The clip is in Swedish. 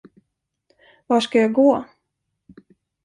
Vart skall jag gå?